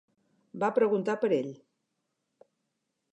Va preguntar per ell.